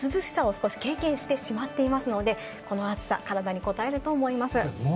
いったん涼しさを少し経験してしまっていますので、この暑さ、体にこたえると思います。